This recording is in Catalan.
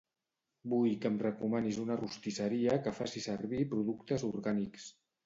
Vull que em recomanis una rostisseria que faci servir productes orgànics.